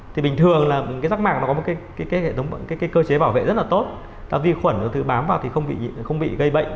thì bình thường là rác mạc nó có một cơ chế bảo vệ rất là tốt vì khuẩn nó thứ bám vào thì không bị gây bệnh